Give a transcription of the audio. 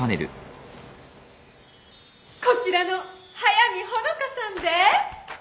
こちらの速見穂香さんです！